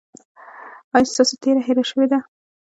ایا ستاسو تیره هیره شوې ده؟